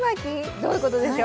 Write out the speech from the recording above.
どういうことでしょう？